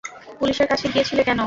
পুলিশের কাছে গিয়েছিলে কেন?